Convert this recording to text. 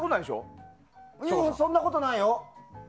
そんなことないよ。